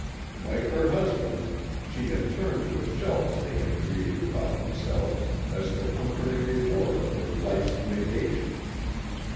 Like her husband she had turned to the shells they had created about themselves as the comforting reward of her life's negation.